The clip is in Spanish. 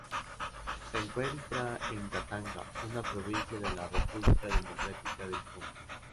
Se encuentra en Katanga, una provincia de la República Democrática del Congo.